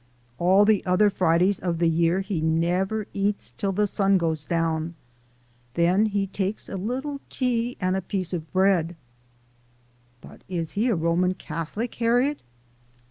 All the oder Fridays ob de year he neb ber eats till de sun goes down; den he takes a little tea an' a piece ob bread." " But is he a Roman Catholic, Harriet